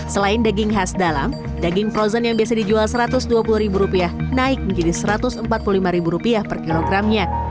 selain daging khas dalam daging frozen yang biasa dijual rp satu ratus dua puluh naik menjadi rp satu ratus empat puluh lima per kilogramnya